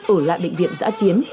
ở lại bệnh viện giã chiến